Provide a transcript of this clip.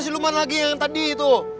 jangan ikuti aku lagi yang tadi itu